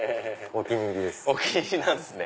お気に入りなんすね。